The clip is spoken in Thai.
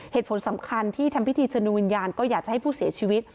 เหตุผลสำคัญที่ทำพิธีเชิญดวงวิญญาณก็อยากจะให้ผู้เสียชีวิต